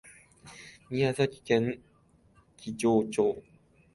宮崎県木城町